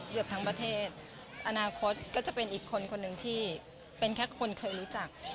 เกือบทั้งประเทศอนาคตก็จะเป็นอีกคนคนหนึ่งที่เป็นแค่คนเคยรู้จัก